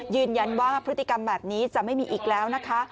ยืนยันว่าพฤติกรรมแบบนี้จะไม่มีอีกแล้วนะคะ